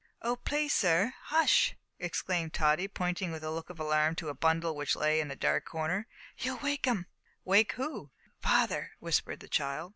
"Oh! please, sir, hush!" exclaimed Tottie, pointing with a look of alarm to a bundle which lay in a dark corner, "you'll wake 'im." "Wake who?" "Father," whispered the child.